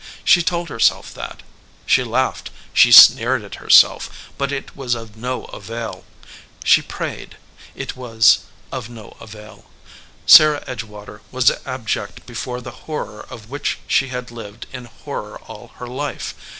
She told her self that. She laughed, she sneered at herself, but it was of no avail. She prayed ; it was of no avail. Sarah Edge water was abject before the horror of which she had lived in horror all her life.